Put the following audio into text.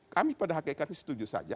kami pada hakikatnya setuju saja